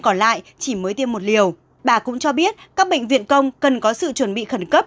còn lại chỉ mới tiêm một liều bà cũng cho biết các bệnh viện công cần có sự chuẩn bị khẩn cấp